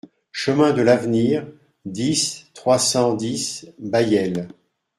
Chemin de l'Avenir, dix, trois cent dix Bayel